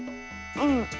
うん。